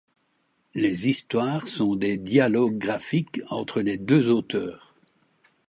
Les histoires sont des dialogues graphiques entre les deux auteurs.